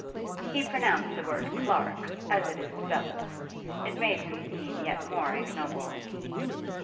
He pronounced the word 'clerk' as it is spelt; it made him seem yet more ignoble.